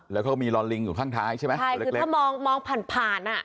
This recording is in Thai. แล้วก็มีรอลิงอยู่ข้างท้ายใช่ไหมใช่คือถ้ามองมองผ่านผ่านอ่ะ